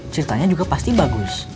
ceritanya juga pasti bagus